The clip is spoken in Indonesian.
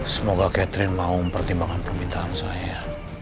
semoga catherine mau mempertimbangkan permintaan saya